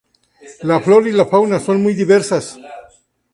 La flora y la fauna son muy diversas.